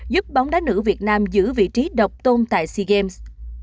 giúp bóng đá nữ việt nam giữ vị trí độc tôn tại sea games